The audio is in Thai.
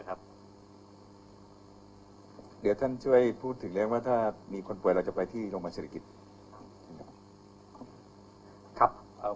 เดี๋ยวท่านช่วยพูดถึงเรื่องว่าถ้ามีคนป่วยเราจะไปที่โรงพยาบาลเศรษฐกิจนะครับ